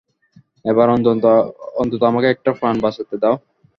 এবার অন্তত আমাকে একটা প্রাণ বাঁচাতে দাও।